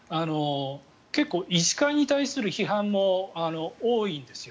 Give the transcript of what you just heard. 結構、医師会に対する批判も多いんですよ。